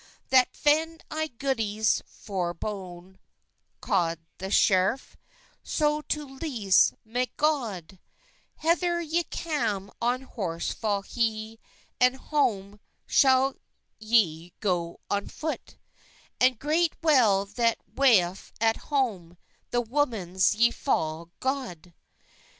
"That fend I godys forbode," kod the screffe, "So to lese mey godde;" "Hether ye cam on horse foll hey, And hom schall ye go on fote; And gret well they weyffe at home, The woman ys foll godde.